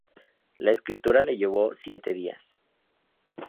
La escritura le llevó siete días.